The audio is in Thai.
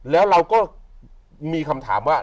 แล้วเราก็มีคำถามว่า